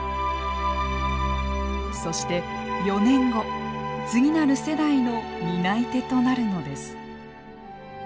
そして４年後次なる世代の担い手となるのです。